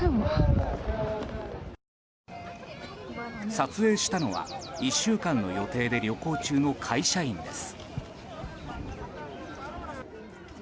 撮影したのは１週間の予定で旅行中の会社員です。